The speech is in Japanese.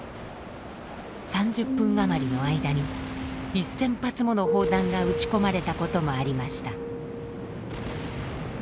３０分余りの間に１，０００発もの砲弾が撃ち込まれたこともありました。